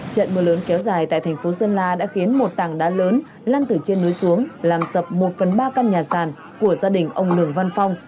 trận mưa lớn kéo dài tại thành phố sơn la đã khiến một tảng đá lớn lan từ trên núi xuống làm sập một phần ba căn nhà sàn của gia đình ông lường văn phong